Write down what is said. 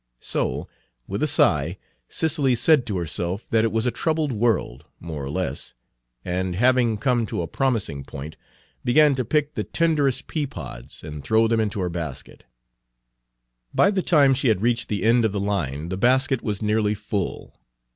So, with a sigh, Cicely said to herself that it was a troubled world, more or less; and having come to a promising point, began to pick the tenderest pea pods and throw them into her basket. By the time she had reached the end of the line the basket was nearly full.